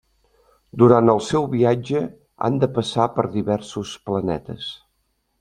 Durant el seu viatge han de passar per diversos planetes.